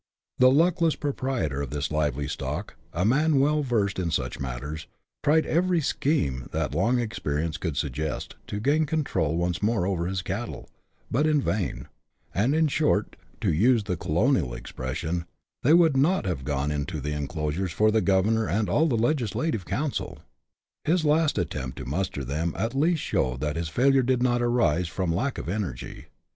The luckless proprietor of this lively stock, a man well versed in such matters, tried every scheme that long experience could suggest to gain the control once more over his cattle, but in vain ; and, in short, to use the colonial expression, " they would not have gone into the enclosures for the governor and all the legislative council." His last attempt to muster them, at least showed that his failure did not arise from lack of energy.